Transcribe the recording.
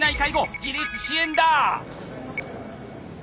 自立支援だ！